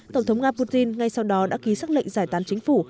tổng thống nga putin ngay sau đó đã ký xác lệnh giải tán chính phủ